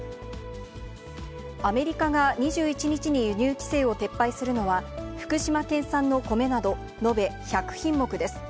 アメリカが２１日に輸入規制を撤廃するのは、福島県産の米など延べ１００品目です。